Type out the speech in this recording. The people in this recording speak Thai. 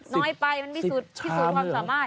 น้อยไปมันมีสุดความสามารถ